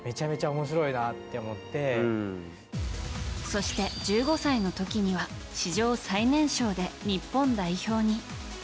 そして１５歳の時には史上最年少で日本代表に。